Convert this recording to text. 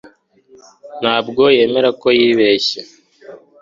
Ntabwo yemera ko yibeshye